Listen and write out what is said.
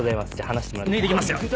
抜いていきますよ。